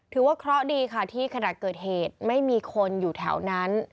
ถือว่าเคราะห์ดีค่ะที่ขณะเกิดเหตุไม่มีคนอยู่แถวนั้น